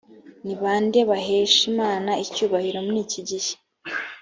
ni bande bahesha imana icyubahiro muri iki gihe.